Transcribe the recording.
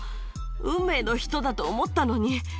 運命の人だと思ったのに。